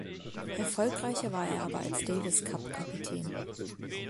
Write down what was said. Erfolgreicher war er aber als Daviscup-Kapitän.